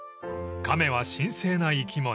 ［亀は神聖な生き物］